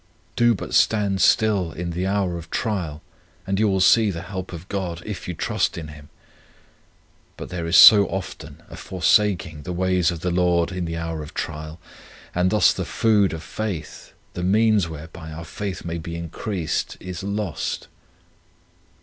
Do but stand still in the hour of trial, and you will see the help of God, if you trust in Him. But there is so often a forsaking the ways of the Lord in the hour of trial, and thus the food of faith, the means whereby our faith may be increased, is lost.